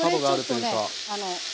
これちょっとね。